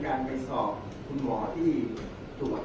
แต่ว่าไม่มีปรากฏว่าถ้าเกิดคนให้ยาที่๓๑